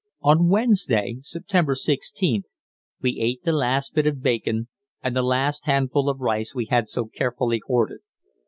On Wednesday (September 16th) we ate the last bit of bacon and the last handful of rice we had so carefully hoarded.